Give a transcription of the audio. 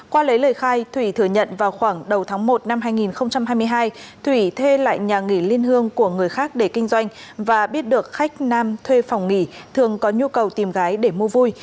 qua lấy lời khai thủy thừa nhận vào khoảng đầu tháng một năm hai nghìn hai mươi hai thủy thuê lại nhà nghỉ liên hương của người khác để kinh doanh và biết được khách nam thuê phòng nghỉ thường có nhu cầu tìm gái để mua vui